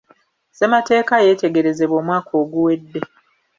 Ssemateeka yeetegerezebwa omwaka oguwedde.